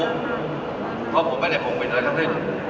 เพราะกูไม่ได้พงษ์เป็นอะไรทั้งนึง